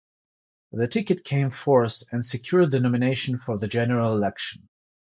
The ticket came fourth and secured the nomination for the general election.